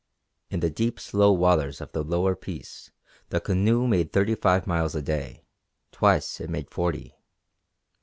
In the deep, slow waters of the Lower Peace the canoe made thirty five miles a day; twice it made forty.